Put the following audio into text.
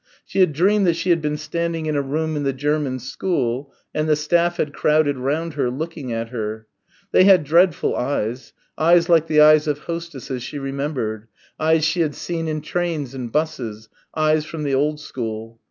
She had dreamed that she had been standing in a room in the German school and the staff had crowded round her, looking at her. They had dreadful eyes eyes like the eyes of hostesses she remembered, eyes she had seen in trains and 'buses, eyes from the old school.